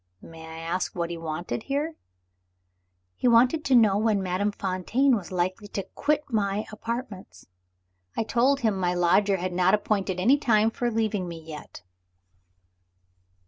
"May I ask what he wanted here?" "He wanted to know when Madame Fontaine was likely to quit my apartments. I told him my lodger had not appointed any time for leaving me yet."